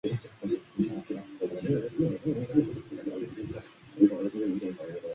索镇人口变化图示